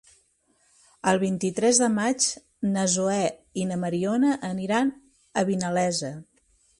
El vint-i-tres de maig na Zoè i na Mariona aniran a Vinalesa.